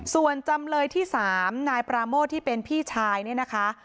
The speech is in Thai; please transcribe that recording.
ส่วนจำเลยที่๓นายปราโมทที่เป็นพี่ชายเนี่ยนะคะ